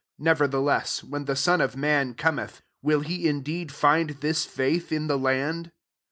Nevertheless, when the Son of man cometh, will he indeed find this faith in the land